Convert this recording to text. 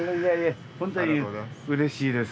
ホントにうれしいです。